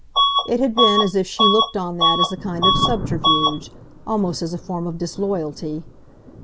It had been as if she looked on that as a kind of subterfuge almost as a form of disloyalty.